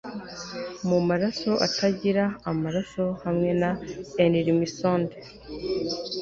Mumaraso atagira amaraso hamwe na enrimsond